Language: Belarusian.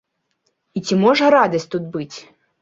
І ці можа радасць тут быць?